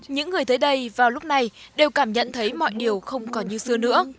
những người tới đây vào lúc này đều cảm nhận thấy mọi điều không còn như xưa nữa